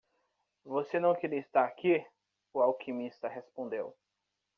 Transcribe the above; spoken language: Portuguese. "Você não deveria estar aqui?" o alquimista respondeu.